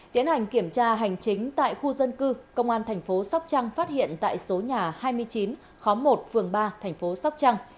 tiến hành kiểm tra hành chính tại khu dân cư công an tp sóc trăng phát hiện tại số nhà hai mươi chín khóng một phường ba tp sóc trăng